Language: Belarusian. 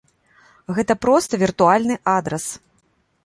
Гэта проста віртуальны адрас!